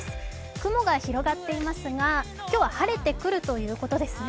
雲が広がっていますが今日は晴れてくるということですね。